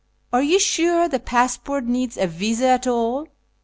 " Are you sure the passport needs a visa at all